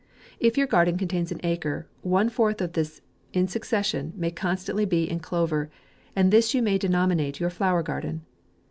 If your garden contains an acre, one fourth of this in succession may constantly be in clover, and this you may denominate your flower garden.